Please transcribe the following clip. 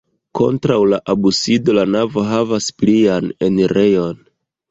Kontraŭ la absido la navo havas plian enirejon.